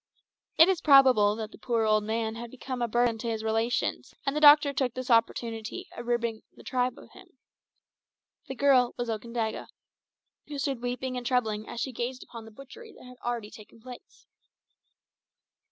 It is probable that the poor old man had become a burden to his relations, and the doctor took this opportunity of ridding the tribe of him. The girl was Okandaga, who stood weeping and trembling as she gazed upon the butchery that had already taken place.